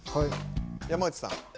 山内さん。